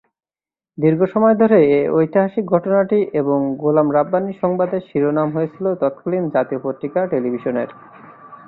দীর্ঘসময় ধরে এ ‘ঐতিহাসিক ঘটনাটি এবং গোলাম রাব্বানী’ সংবাদের শিরোনাম হয়েছিলেন তৎকালীন জাতীয় পত্রিকা-টেলিভিশনের।